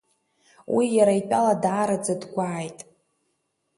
Уи иара итәала даараӡа дгәааит.